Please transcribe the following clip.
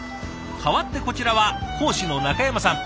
変わってこちらは講師の中山さん。